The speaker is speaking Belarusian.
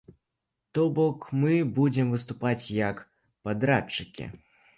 То бок мы будзем выступаць як падрадчыкі.